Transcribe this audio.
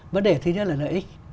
vấn đề thứ nhất là lợi ích